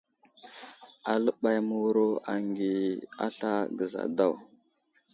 Aləɓay məwuro aghi asla gəza daw.